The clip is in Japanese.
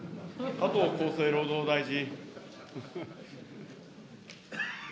加藤厚生労働大臣。